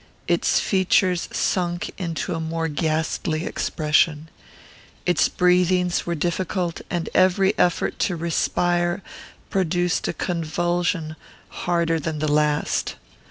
Its features sunk into a more ghastly expression. Its breathings were difficult, and every effort to respire produced a convulsion harder than the last.